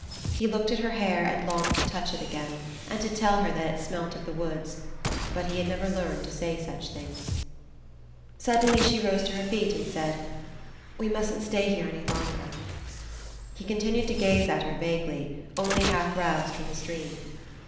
He looked at her hair and longed to touch it again, and to tell her that it smelt of the woods; but he had never learned to say such things. Suddenly she rose to her feet and said: "We mustn't stay here any longer." He continued to gaze at her vaguely, only half roused from his dream.